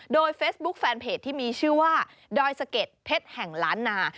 โดยเฟซบุ๊คแฟนเพจที่มีชื่อว่าดอยสะเก็ดเพชรแห่งล้านนา